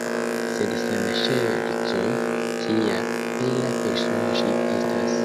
Sed sen ŝercoj, kia bela persono ŝi estas!